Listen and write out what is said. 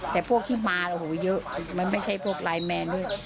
แต่พวกที่มาโอ้โหเยอะมันไม่ใช่พวกไลน์แมนด้วย